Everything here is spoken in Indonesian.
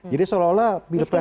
jadi seolah olah pilpres ini